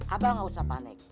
abah nggak usah panik